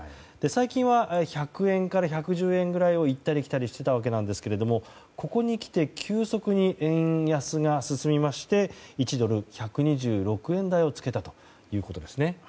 最近は１００円から１１０円くらいを行ったり来たりしていたわけですがここにきて急速に円安が進みまして１ドル＝１２６円台をつけたということですね。